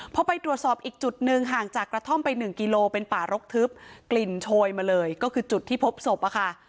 พอไปตรวจสอบอีกจุดหนึ่งห่างจากกระท่อมไปหนึ่งกิโลเป็นป่ารกทึบกลิ่นโชยมาเลยก็คือจุดที่พบศพอะค่ะ